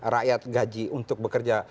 rakyat gaji untuk bekerja